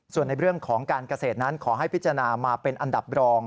ส่วนในเรื่องของการเกษตรนั้นขอให้พิจารณามาเป็นอันดับรอง